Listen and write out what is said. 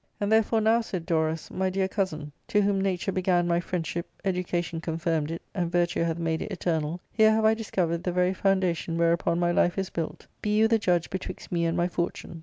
And therefore now," said Dorus, " my dear cousin, to whom nature began my friendship, education confirmed it, and virtue hath made it eternal, here have I discovered the very foundation whereupon my life is built : be you the judge betwixt me ^nd my fortune..